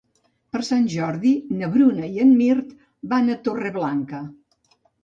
Per Sant Jordi na Bruna i en Mirt van a Torreblanca.